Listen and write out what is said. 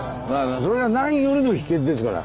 それが何よりの秘訣ですから。